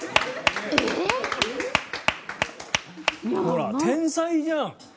ほら天才じゃん！